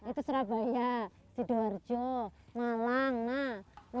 itu surabaya sidoarjo malang nah